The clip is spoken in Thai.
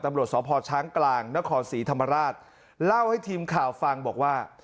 ตำรวจสพช้างกลางนครศรีธรรมราชเล่าให้ทีมข่าวฟังบอกว่า